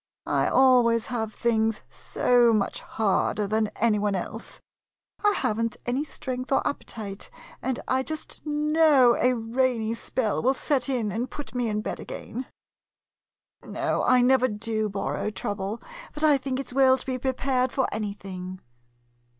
I always have things so much harder than any one else. I have n't any strength or appetite, and I just know a rainy spell will set in and put me in bed again. No, I never do borrow trouble, but I think it 's well to be prepared for anything.